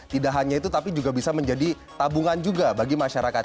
tidak hanya itu tapi juga bisa menjadi tabungan juga bagi masyarakat